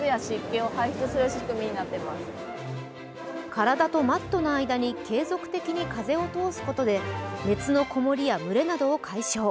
体とマットの間に継続的に風を通すことで熱のこもりや蒸れなどを解消。